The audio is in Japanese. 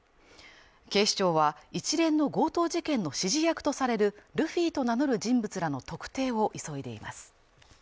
警視庁は一連の強盗事件の指示役とされるルフィと名乗る人物らの特定を急いでいます。